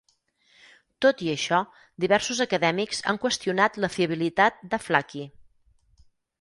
Tot i això, diversos acadèmics han qüestionat la fiabilitat d'Aflaki.